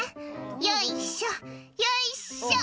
「よいしょよいしょ」